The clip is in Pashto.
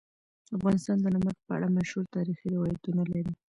افغانستان د نمک په اړه مشهور تاریخی روایتونه لري.